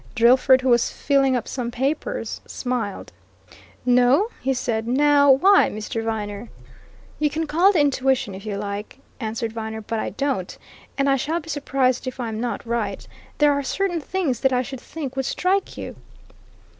Drillford who was filling up some papers, smiled. "No?" he said. "Now, why, Mr. Viner?" "You can call it intuition if you like," answered Viner. "But I don't! And I shall be surprised if I'm not right. There are certain things that I should think would strike you."